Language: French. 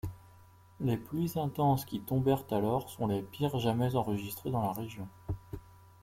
Les pluies intenses qui tombèrent alors sont les pires jamais enregistrées dans la région.